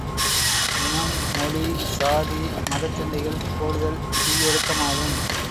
இனம், மொழி, சாதி, மதச் சண்டைகள் போடுதல் தீயொழுக்கமாகும்.